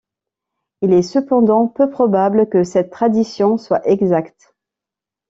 Il est cependant peu probable que cette tradition soit exacte.